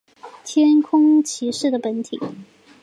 天空骑士的本体。